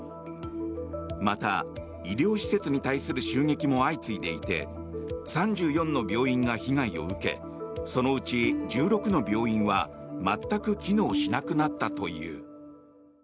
また、医療施設に対する襲撃も相次いでいて３４の病院が被害を受けそのうち１６の病院は全く機能しなくなったという。